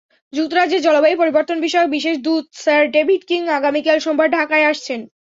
যুক্তরাজ্যের জলবায়ু পরিবর্তনবিষয়ক বিশেষ দূত স্যার ডেভিড কিং আগামীকাল সোমবার ঢাকায় আসছেন।